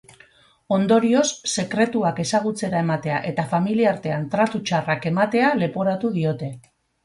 Ondorioz, sekretuak ezagutzera ematea eta familiartean tratu txarrak ematea leporatu diote.